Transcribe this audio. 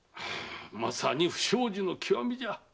まさに不祥事の極みじゃ。